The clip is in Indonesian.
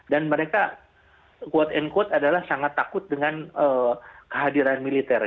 dan mereka quote unquote adalah sangat takut dengan kehadiran militer